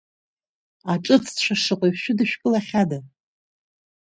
Аҿыццәа шаҟаҩы шәыдышәкылахьада?